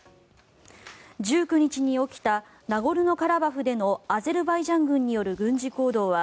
１９日に起きたナゴルノカラバフでのアゼルバイジャン軍による軍事行動は